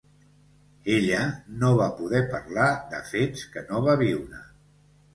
Ella no va poder parlar de fets que no va viure.